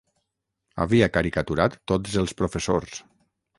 Havia caricaturat tots els professors.